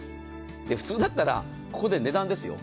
普通だったら、ここで値段ですよ。